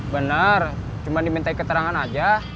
benar cuma dimintai keterangan aja